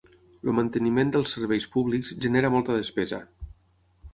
El manteniment dels serveis públics genera molta despesa.